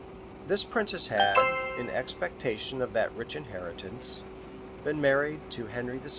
This princess had, in expectation of that rich inheritance, been married to Henry VI.